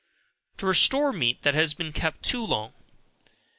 To Restore Meat that has been kept too long.